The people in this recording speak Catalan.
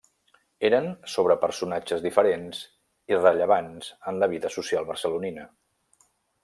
Eren sobre personatges diferents i rellevants en la vida social barcelonina.